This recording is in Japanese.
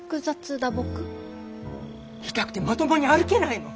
痛くてまともに歩けないの。